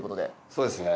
そうですね。